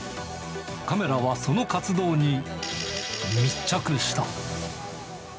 カメラはその活動に密着した。